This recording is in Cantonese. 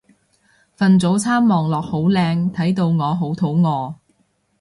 份早餐望落好靚睇到我好肚餓